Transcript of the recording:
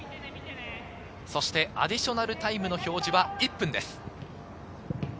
そしてアディショナルタイムの表示は１分です。